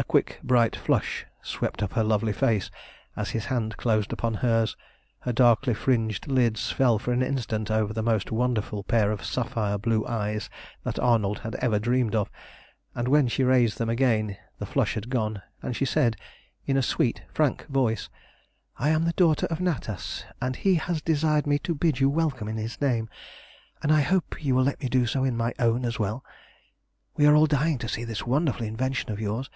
A quick bright flush swept up her lovely face as his hand closed upon hers, her darkly fringed lids fell for an instant over the most wonderful pair of sapphire blue eyes that Arnold had ever even dreamed of, and when she raised them again the flush had gone, and she said in a sweet, frank voice "I am the daughter of Natas, and he has desired me to bid you welcome in his name, and I hope you will let me do so in my own as well. We are all dying to see this wonderful invention of yours.